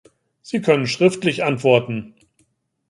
Sie können schriftlich antworten.